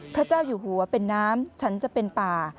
พระเจ้าอยู่หัวเป็นน้ำฉันจะเป็นป่า